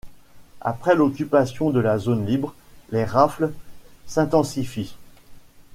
Après l'occupation de la zone libre, les rafles s'intensifient.